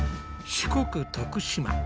四国徳島。